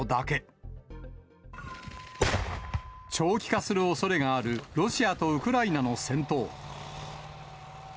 長期化するおそれがあるロシアとウクライナの戦闘。